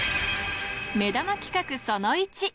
目玉企画その１。